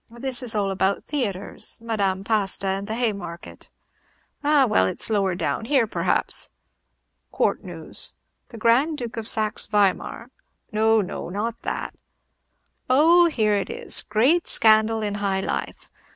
"This is all about theatres, Madame Pasta and the Haymarket." "Ah! well, it is lower down; here, perhaps." "Court news. The Grand Duke of Saxe Weimar " "No, no; not that." "Oh, here it is. 'Great Scandal in High Life.